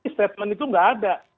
statement itu nggak ada